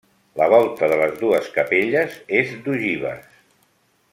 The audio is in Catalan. La volta de les dues capelles és d'ogives.